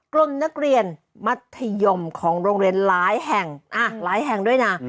กลุ่มนักเรียนมัธยมของโรงเรียนหลายแห่งหลายแห่งด้วยนะ